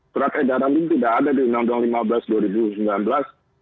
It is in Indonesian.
surat edaran ini tidak ada di undang undang lima belas dua ribu sembilan belas